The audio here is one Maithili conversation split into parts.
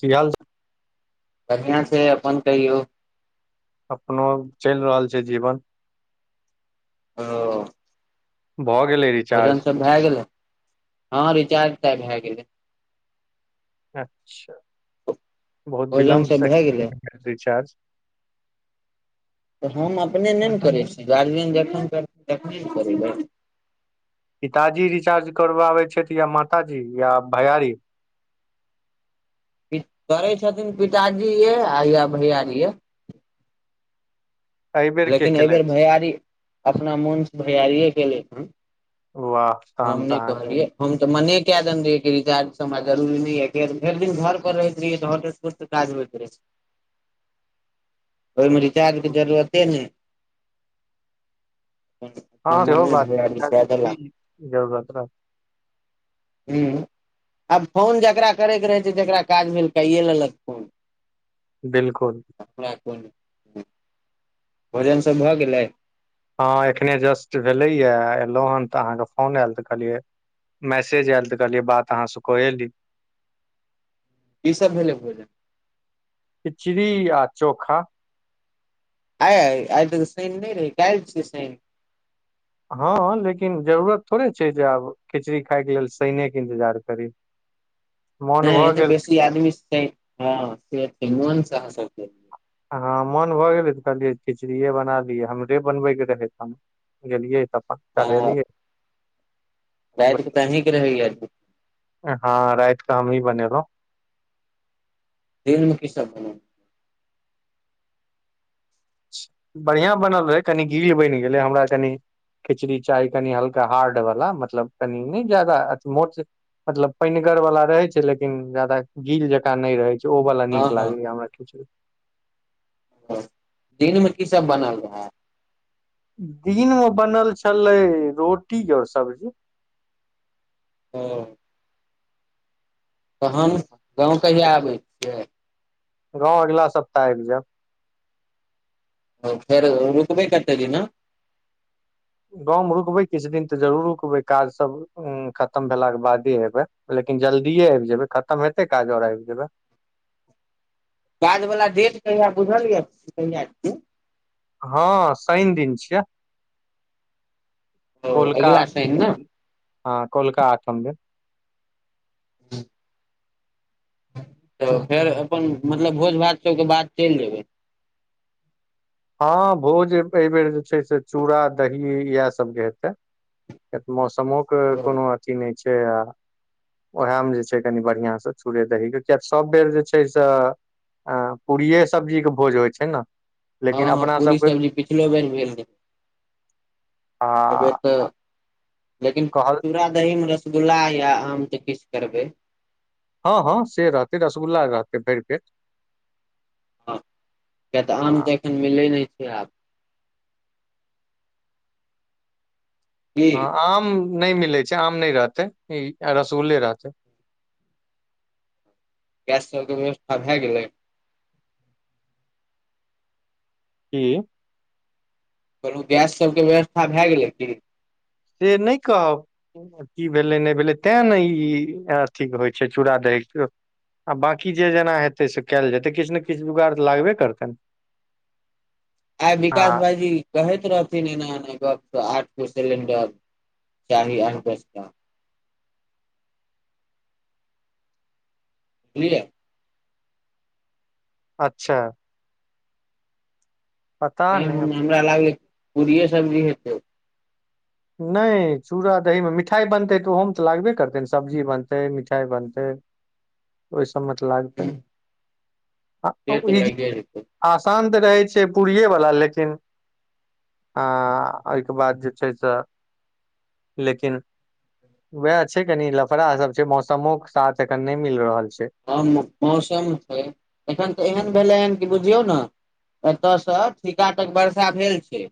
की हाल बढ़िआं छै, अपन कहियौ अपनो चलि रहल छै, जीवन ह [inaudible] भऽ गेलै भजन रिचार्ज सब भए गेलै, हँ, रीचार्ज भए गेलै अच्छा, बहुत भोजन विलम्बसँ सब भए गेलै बैटरी रीचार्ज तऽ हम अपने ने ने करै छी, गार्जियन जखन करतै तखने ने करेबै। पिताजी रिचार्ज करबाबे छथि या माताजी या भैयारी? करे छथिन पिताजी ये आ या भैयाजी ये एहि बेेर के लेकिन एहिबेर केलथि भैयारी अपना मोन से भैआरिे गेलै हँ वाह हम तहन नहि तऽ कहलियै हम तऽ मने कए देने रहियै कि रिजार्ज हमरा जरूरी नहि, यऽ भरि दिनर पर रहैत रहियै तऽट काज हो प छै [inaudible] ओहिमे रिचार्जके अहाँके जरूरते ने। ना हँ सेहो मने बात भड़ लख देला। की जरूरत रह हूँ आब फोन जकरा करयके रहै छै, जकरा काज भेल कइयए लेलक फोन। बिलकुल को [unintelligible] भोजन सब भए गेलै? हाँ, एखने जस्ट भेलैयए एलहु हेन तऽ अहाँके फोन आयल तऽ कहलियै मैसेज आयल तऽ कहलियै बात अहाँ सु क एली की सब भेलै, भोजन? खिचड़ी आ चोखा। आय -आय तऽ शैन नै रहै कैल्ह छियै शैन? हँ, लेकिन जरूरत थोड़े छै, जे आब खिचड़ी खायके लेल शइनेके इन्तजार करी। मोन नै भऽ तऽ गेल बेसी आदमी सैन हँ मोन से आहाँ सब के। हँ मोन भऽ गेलै तऽ कहलियै खिचड़िए बना दियऽ हमरे बनबै के रहै खाना। गेलियै तब तऽ चरहेलियै। रैयत के तऽ अहीं के रहैया? हँ राइत के हमहीं बनेलौ। देिनमे की सब बनल? बढ़ियां बनल रहै कनि गिल बैन गेलै हमरा कनि। खिचड़ी चाही कनि हल्का हार्ड वाला मतलब कनि नै जादा मोट मतलब पेैनगर वला रहे छै लेकिन जादा गील जकाँ नै रहेै छै। ओ बला हँ नीक लागै हँ या हमरा खिचड़ी। दिन में की सब बनल रहे? दिन मे बनल छलै, रोटी और सब्जी। ओ- तहन गाँव कहिया आबै छियै? गाँंव अगिला सप्ताह आइब जेएब। ओ फेर रुकबै कते दिना? गाँव मे रुकबै किछ दिन तऽ जरूर रुकबै काज सब हूँ खत्म भेला के बादे एबे, लेकिन जल्दीे आइब जेबेै खत्म हेतेै काज और आइब जेबै। काज वला डेट कहिया बुझल या कहिया छियै? हँ शैन दिन छियै ओ कोलका अगिला शनि ने हँ कोलका आठम मे। हूँ। तऽ फेर अपन मतलब भोज भात तैय के बाद चैल जेबै? हँ भोज एहिबेर जे छै से चूड़ा, दही इएहे सब के हेतै। एक मौसमो के कोनो हँ अथी नै छै आ उएहमे जे छै कनि बढ़िआँ सँ चूड़े, दही के किये सब बेर जे छै सँ। आ पूड़िये, सब्जी के भोज होइ छै न? हँ, हँ पूड़ी, सब्जी पिछलो बेर भेल रहै आ एहिबेर तऽ लेकिन कहल चूड़ा, दही मे रसगुल्ला या आम के पिस करबै। हँ, हँ से रहतै रसगुल्ला रहतै भैर पेट। किये तऽ आ आम तऽ एखन मिलै नै छै आब। की हँ आम नै मिलेै छै आम नै रहतेै रसगुल्ले रहतै। गैस सबके व्यवस्था भए गेलै? की? कहलूँ गैस सबके व्यवस्था भए गेलै की? से नै कहब। की भेलै नै भेलै तैं ने ई अथी होइ छै चूड़ा, दही के। आ बाकी जे जेना हेतै से केएल जेतै किछ ने किछ जोगाड़ तऽ लागबे करतै ने। आय विकास हँ भाईजी कहैत रहथिन एना एना गप आठ गो सिलेंडर चाही आ [unintelligible] बुझलियै? अच्छा। पता ऐ नहि मे‌ अब। हमरा लागै हे पूड़िये सब्जी हेतै। नहि, चूड़ा दही मे मिठाइ बनतै तऽ ओहोमे तऽ लागबे करतै ने सब्जी बनतै, मिठाइ बनतै। [inaudible] त ओहि सबमे तऽ लागतै ने? से तऽ लगिए जेतै आसान तऽ रहै छै, पूरिये वला लेकिन आ, ओहिके बाद जे छै से लेकिन वैह छै कनि लफड़ा सब छै, मौसमो के साथ एखन नहि मिल रहल छै। हाँ, मौसम छै, एखन तऽ एहन भेलै हन कि बुझियौ ने एतयसँ ठीका तक वर्षा भेल छै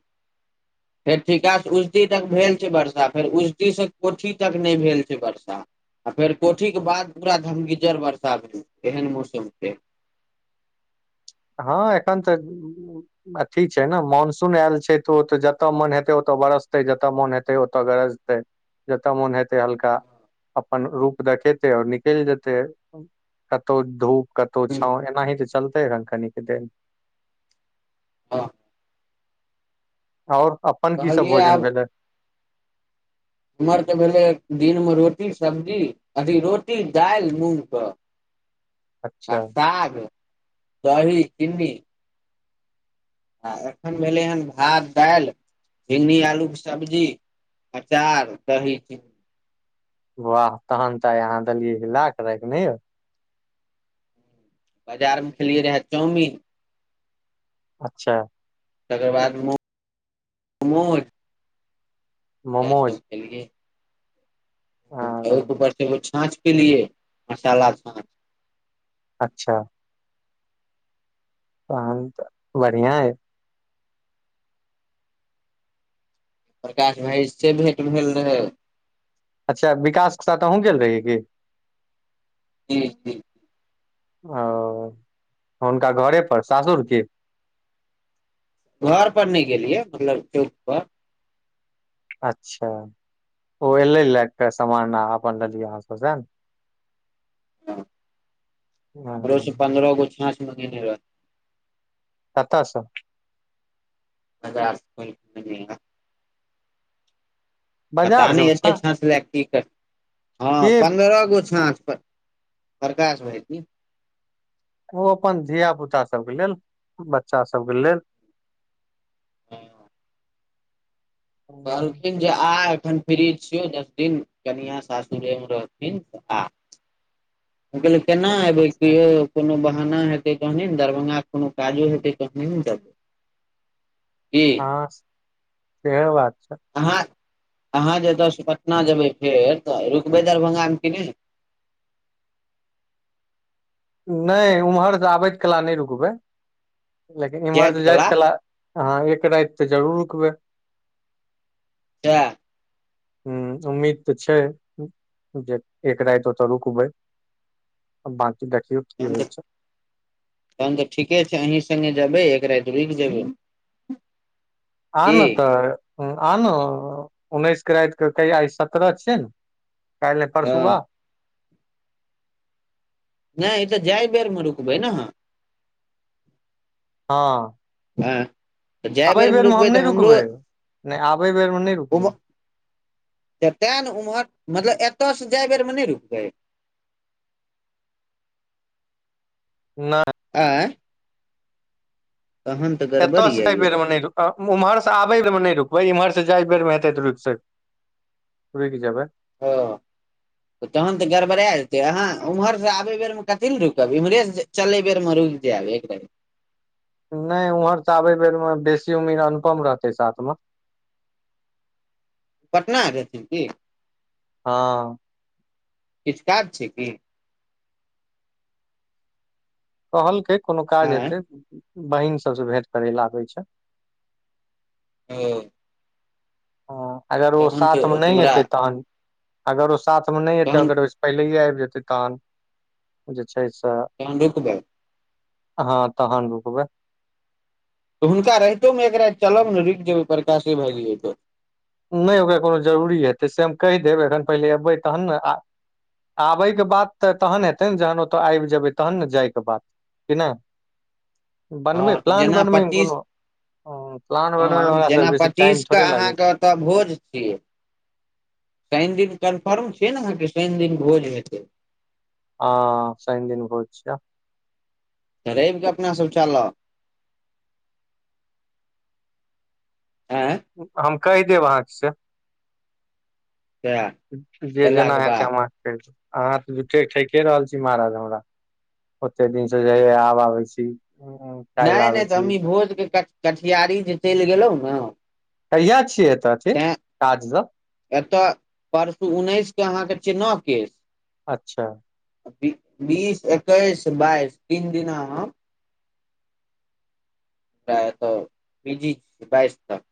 फेर ठीका से उलटी तक भेल छै वर्षा, फेर उलटी से कोठी तक नहि भेल छै वर्षा। आ फेर कोठीके बाद पूरा धमगीजर बर्षा भेल एहन मौसम छै। हाँ, एखन तऽ अथि छै ने, मानसून आयल छै तऽ, ओ तऽ जतऽ मन हेतै ओतऽ बरसतै जतऽ मन हेतै तै ओत गरजतै, जतऽ मोन हेतै हल्का अपन रूप देखेतेै और निकलि जेतै। कतहु धूप कतहु हँ छाँव एनाही तऽ चलते रे कनीक दिन। हँ। और अपन की सब कहलियै भोजन आब भेलै। हमर तऽ भेलै दिनमे रोटी सब्जी, अथि रोटी दालि मूँग कऽ। आ अच्छा साग, दही, चीनी। आ एखन भेलै हन भात दालि भिन्डी आलूके सब्जी आचार, दही, चीनी। वाह तखन तऽ आइ अहाँ देलियै हिला क राखि नै यौ। बाजारमे खेलियै रहै चाउमीन। अच्छा। तकर बाद मोमोज। सैह सब मोमोज खेलिये। ओहि आ ऊपर स एगो छाँछ पिलियै, मसाला छाँछ। अच्छा। तखन तऽ बढ़िआ अछि। प्रकाश भाईजी से भेंट भेल रहै। अच्छा विकासके साथ अहुँ गेल रहि की? जी जी। ओ हुनका घरे पर सासुर की? घर पर नै गेलियै मतलब चौक पर। अच्छा, ओ एलै ल कऽ समान, अपन लेलियै अहाँ सब हं। घरो से ने पंन्द्रह गो छाँछ मंगेने रहै। कतऽ सऽ? अ [unintelligible] पता बाजार सँ नै एते अच्छा छाँछ लए कऽ की करतै, हँ के पन्द्रह गो छाँछ। प्रकाश भाइजी। ओ अपन धियापुता सबके लेल, बच्चा सबके लेल। कहलखिन जे आ अखन फ्री छियो दस दिन कनिया सासुरेमे रहथिन से आ। हम कहलियै केना एबै अच्छा कियो कुनू बहाना हेतै तहने ने दरभंगा के कुनू काजो हेतै तखने ने जे की हां सेेहो बात छै। अहाँ, अहाँ जे एतऽ सँ पटना जेबै फेर तऽ रुकबै दरभंगा मे कि नै। नै उम्हर से आबैत कला नै रुकबै, लेकिन इम्हर से जाएत कला हाँ एक राएत तऽ जरूर रुकबै। साएह। हुं उम्मीद तऽ छै जे एक राएत ओतऽ रुकबै। आ बाकी देखियौ। की तहन होइ तऽ छै तहन तऽ ठीके छै अही संगे जेबै एक राएत रुक जेबै। [unintelligible] आ ना तऽ आ ना उन्नैस के राएत कऽ तैयारी आय सत्रह छिये नै। काएल नै हँ परसु आ। नै ई तऽ जाय बेर मे रुकबै ने अहाँ। हां। हां। आबै बेर मे हम नै रुकबै, नै आबै बेर मे नै रुकबै। तऽ तैं ने उम्हर मतलब एतऽ से जाय बेरमे नै रुकबै। नै। अएं। तहन तऽ गड़बड़ एतऽ से यै जाय यौ बेर मे नै रुक अ उम्हर से आबै मे नै रुकबै, इम्हर से जाय के बेर मे हेतै त रुक सक रूक जेबै। हां। तहन तऽ गड़बड़ा जेतै अहाँ उम्हर से आबै बेर मे कथी ले रुकब इम्हरे से चलै बेर में रुक जाएब एक राएत। नै उम्हर से आबै बेर मे बेसी उम्मीद अनुपम रहतै साथ मे। पटना जेथिन की। हां। किछ काज छै की। कहलकै कोनो काज आँय हेतै, बहिन सबसे भेंट करे लै आबे छै। औ। हां अगर ओ साथ तऽ मे नै हमरा एतै तहन अगर ओ साथ मे नै एतै तहन अगर ओय से पहिलेेये आएब जेतै तहन जे छै से तहन रुकबै। हां तहन रुकबै। तऽ हुनका रहितो मे एक राएत चलब नै रुक जेबै प्रकाशे भाईजी ओतऽ। नै ओकरा कोनो जरूरी हेतै से हम कैह देब एखन पहले एबै तहन नै आ आबै के बात तऽ तहन हेतै ने जहन ओता आएब जेबै तहन ने जाय के बात की नै। हां तऽ जेना बनबैमे पच्चीस कोनो प्लान बनबैमे हम हमरा सब जेना बेसी टाइम पच्चीस के थोड़े लागै छै अहाँके ओतऽ भोज जी शनि दिन कन्फर्म छियै ने अहाँ के शनि दिन भोज हेतै हा शनि दिन भोज छीय त रवि के अपना सब चलब आए हम कहि देब अहाँ के से तऽ जे जेना एलाके हेत बाद हम आह अहाँ त झूठे ठेके रहल छी महाराज हमरा ओते दिन से जाइ आबै छी नै नै आबै त हम छी ई तऽ भोज के कटिहारी जे चलि गेलहुँ ने कहिया छियै एत अथी काज दन अत परसू उन्नैस के अहाँ के छिय नोकेश अच्छा बीस ऐकेश बाइस तीन दिना हम सैहा त बीजी छी बाइस तक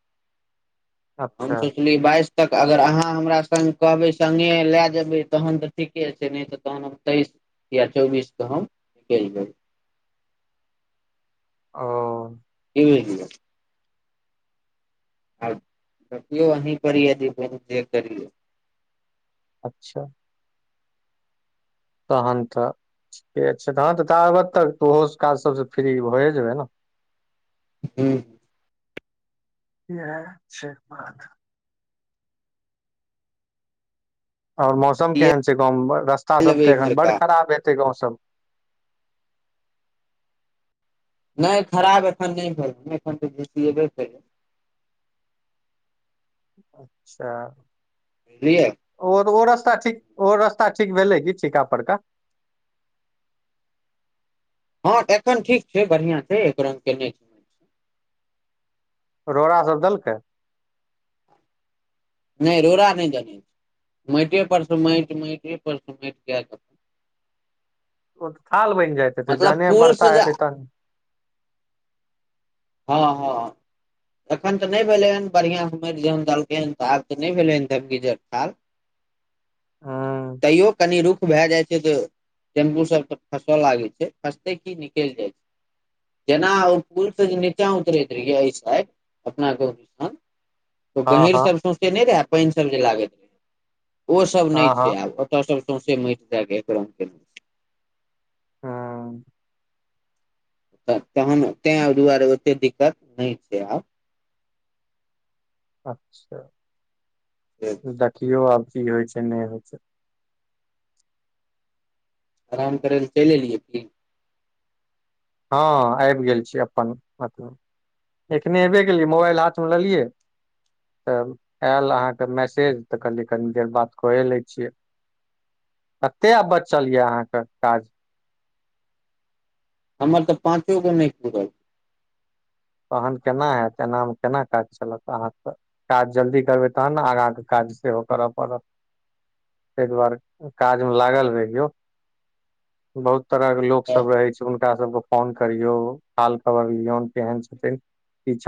हम अच्छा सोचलिय बाइस तक अगर अहाँ हमरा संग कहबै संग लै जेबे तहन त ठीके छै नै त तहन हम तैस या चौबीस क हम निकलि जेबै अ हो [unintelligible] आब देखियौ अहि पर ऐ जे भेज तेर करियऔ अच्छा तहन त ठीके छै तहन त ताबत तक ओहो काज सब से फ्री भए जेबै न हम्म इहा छै बात औ मौसम केहन छै गाँंव मे रस्ता सब लेबै ते एखन बड़ इम्हरका खराब हेते गाँंव सब नै खराब एखन नै भेल, एखन त झिसिये बे कइलै। अच्छा। दिया ओ ओ रस्ता ठिक ओ हो रास्ता ठिक भेलै की ठिका परका। हँ एखन ठिक छै बढ़ियां छै एक रंग कैने छै रोड़ा सब देलकै। नै रोड़ा नै दैने छै माइटे पर से माइट माइट पर से माइट कए क। ओ थाल बैन जायत हेतै मतलब जहने पुल से वर्षा जे हेतै तहने। हाँ हाँ एखन त नै भेलै हन बढ़िआँ हमे एलियै हन त देलकै हन त आब त नै भेलै हन धमगीचार थाल। हूँ तैयो कनि रुख। भैए जाय छै जे टेंपु सब त फंस लागे छै फसते की निकल जाय छै। जेना ओ पूल से जे नीचाँ उतरैत रैहिये अय साइड। अपना गाँवदिसन ओ हँ हँ गहीरसभ सौंसे नै रहै पाइनसभ जे लागैत। ओ सब नै हँ हँ छै आब ओत सब सौंसे माइट देएय क एक रंग केलके हाँ त तहन तें दुआरे ओते दिक्कत नै छै आब। अच्छा, देखियौ आब की होइ छै नै होइ छै। आराम करें लेल चइल एलियै की। ह आइब गेल छी अपन मतलब। एखने एबे केलियै, मोबाइल हाथ मे लेलियै तब आएल अहाँके मैसेज तऽ कहलिअइ कनी देर बात कए लै छियै। कते आब बचल या अहाँके काज। हमर तऽ पाँचो गो नै पूरल। तहन केना हेतै, एनामे केना काज चलत अहाँके। काज जल्दी करबै, तहन न आगांके काज सेहो कर परत। तै दुआरे [inaudible] काजमे लागल रहियौ। बहुत तरहक लोक सब रहै छै, हुनका सबके फोन करियौ, हाल खबर लिऔन, केहेन छथिन की छथि?